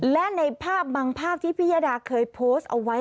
และในภาพบางภาพที่พิยดาเคยโพสต์เอาไว้